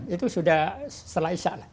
itu sudah setelah isya lah